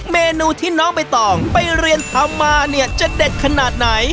เมนูที่น้องใบตองไปเรียนทำมาเนี่ยจะเด็ดขนาดไหน